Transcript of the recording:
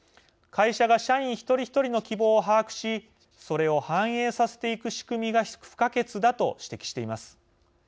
会社が社員１人１人の希望を把握しそれを反映させていく仕組みが不可欠だと指摘しています。